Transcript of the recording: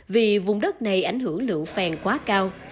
vì vùng đất này ảnh hưởng lượng phèn quá cao